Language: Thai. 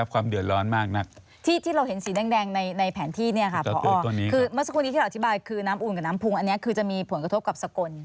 คือเมื่อสักครู่นี้ที่เราอธิบายคือน้ำอูนกับน้ำพุงอันนี้คือจะมีผลกระทบกับสกล